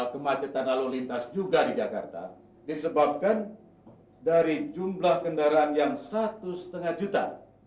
kemacetan lalu lintas juga di jakarta disebabkan dari jumlah kendaraan yang satu lima juta